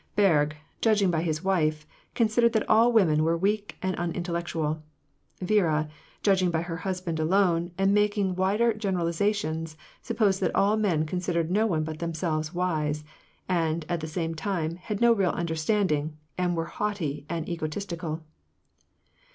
Berg, judging by his wife, considered that all women were weak and uniutellectual. Yiera, judging by her husband alone, and making wider generalizations, supposed that all men con sidered no one but themselves wise ; and, at the same time, had no real imderstanding, and were haughty and egotistical.